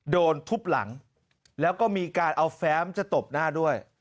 โดนทุบหลังแล้วก็มีการเอาแฟ้มจะตบหน้าด้วย